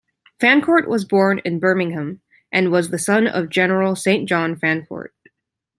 Fancourt was born in Birmingham, and was the son of general Saint John Fancourt.